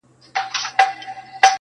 په چا دي ورلېږلي جهاني د قلم اوښکي!